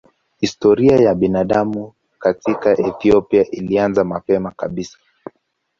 Historia ya binadamu katika Ethiopia ilianza mapema kabisa.